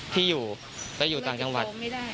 ที่อยู่ต่างจังหวัด